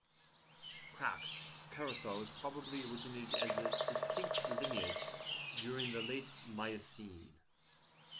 "Crax" curassows probably originated as a distinct lineage during the Late Miocene.